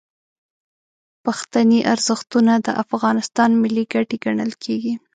پښتني ارزښتونه د افغانستان ملي ګټې ګڼل کیږي.